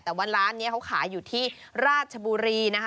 แต่ว่าร้านนี้เขาขายอยู่ที่ราชบุรีนะคะ